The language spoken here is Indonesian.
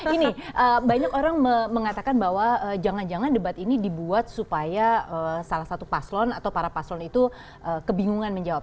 gini banyak orang mengatakan bahwa jangan jangan debat ini dibuat supaya salah satu paslon atau para paslon itu kebingungan menjawab